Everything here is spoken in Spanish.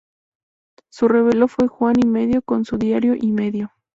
Su relevo fue Juan y Medio con su "Diario y medio".